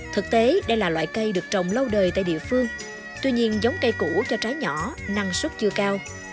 thực tế đây là loại cây được trồng lâu đời tại địa phương tuy nhiên giống cây cũ cho trái nhỏ năng suất chưa cao